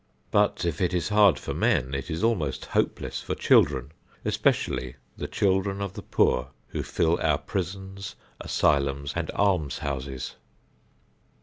But, if it is hard for men, it is almost hopeless for children, especially the children of the poor who fill our prisons, asylums and almshouses.